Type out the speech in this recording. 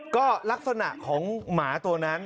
ก็ลักษณะของหมาตัวนั้น